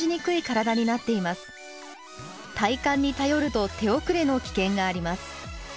体感に頼ると手遅れの危険があります。